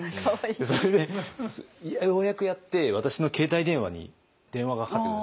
それでようやくやって私の携帯電話に電話がかかってくるんですよ。